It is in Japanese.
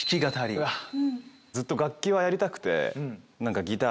うわずっと楽器はやりたくて。